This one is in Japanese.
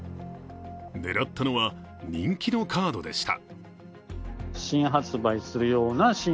狙ったのは、人気のカードでした。